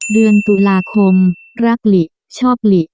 เดือนตุลาคมรักหลิชอบหลี